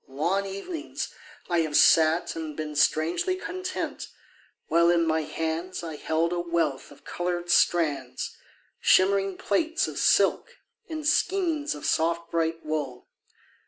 Long evenings I have sat and been Strangely content, while in my hands I held a wealth of coloured strands, Shimmering plaits of silk and skeins Of soft bright wool.